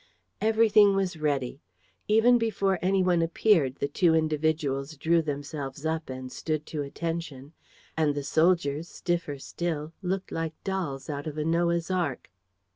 Everything was ready. Even before any one appeared, the two individuals drew themselves up and stood to attention; and the soldiers, stiffer still, looked like dolls out of a Noah's ark.